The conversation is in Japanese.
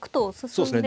そうですね。